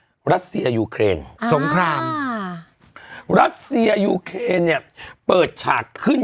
รัสเซียยูเครนสงครามรัสเซียยูเครนเนี่ยเปิดฉากขึ้น